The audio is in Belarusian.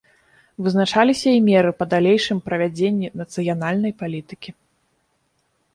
Вызначаліся і меры па далейшым правядзенні нацыянальнай палітыкі.